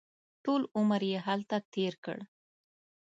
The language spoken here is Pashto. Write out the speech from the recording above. ټول عمر یې هلته تېر کړ.